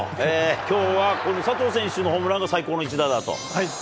きょうはこの佐藤選手のホームランが最高の一打だと。